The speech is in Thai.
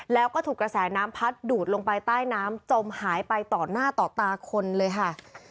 แล้วก็ถูกกระแสน้ำพัดดูดลงไปใต้น้ำจมหายไปต่อหน้าต่อตาคนเลยค่ะ